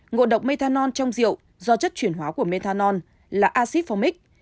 ngộ độc methanol trong rượu do chất chuyển hóa của methanol là acid fromic